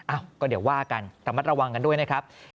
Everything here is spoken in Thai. อ้าวก็เดี๋ยวว่ากันระมัดระวังกันด้วยนะครับ